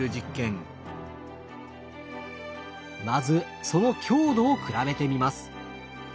まずその強度を比べてみます。